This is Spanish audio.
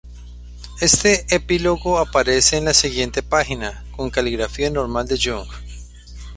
Este epílogo aparece en la siguiente página, con caligrafía normal de Jung.